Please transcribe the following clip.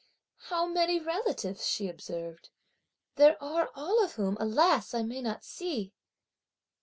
"How many relatives," she observed, "there are all of whom, alas! I may not see."